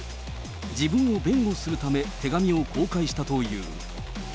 自分を弁護するため、手紙を公開したという。